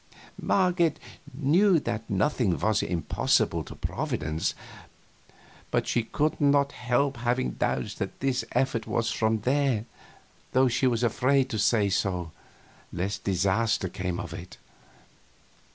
Marget knew that nothing was impossible to Providence, but she could not help having doubts that this effort was from there, though she was afraid to say so, lest disaster come of it.